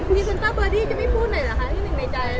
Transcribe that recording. รีเซนเตอร์เบอร์ดี้จะไม่พูดหน่อยเหรอคะที่หนึ่งในใจ